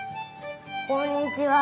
こんにちは！